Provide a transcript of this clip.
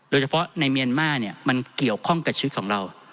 โดยเฉพาะในเมียนมาร์เนี่ยมันเกี่ยวข้องกับชีวิตของเรา